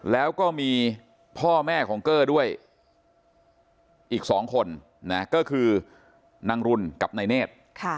แล้วก็มีพ่อแม่ของเกอร์ด้วยอีก๒คนก็คือนางรุนกับนายเนธ